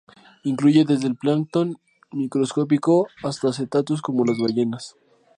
Incluye desde el plancton microscópico, hasta cetáceos como las ballenas.